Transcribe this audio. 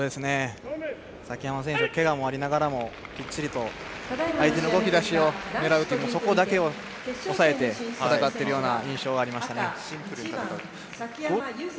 崎山選手けがもありながらもきっちりと相手の動き出しを狙うというそこだけを抑えて戦っている印象がありました。